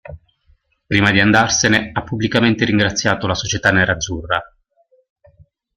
Prima di andarsene, ha pubblicamente ringraziato la società nerazzurra.